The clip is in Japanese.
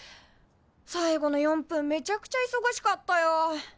最後の４分めちゃくちゃいそがしかったよ。